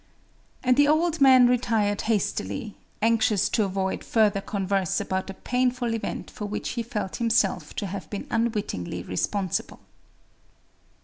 And the old man retired hastily,—anxious to avoid further converse about the painful event for which he felt himself to have been unwittingly responsible.